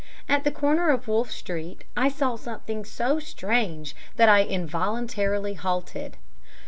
At the corner of Wolf Street I saw something so strange that I involuntarily halted.